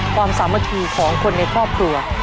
ความสามารถของคนในครอบครัว